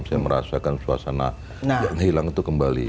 saya merasakan suasana yang hilang itu kembali